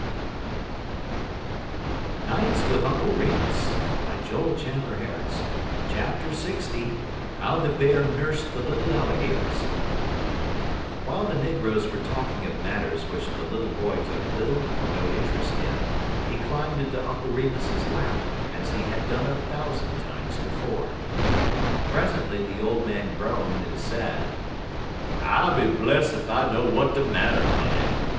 [Illustration: How the Bear nursed the Little Alligator] LX HOW THE BEAR NURSED THE LITTLE ALLIGATORS While the negroes were talking of matters which the little boy took little or no interest in, he climbed into Uncle Remus's lap, as he had done a thousand times before. Presently the old man groaned, and said: "I be bless ef I know w'at de marter, honey.